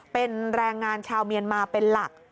เป็นแรงงานชาวเมียนมาเป็นหลัก